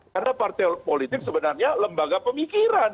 karena partai politik sebenarnya lembaga pemikiran